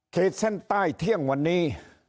ขีดเส้นใต้เที่ยงวันนี้